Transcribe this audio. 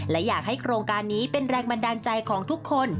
และอยากให้โครงการนี้เป็นแรงบันดาลใจของทุกคน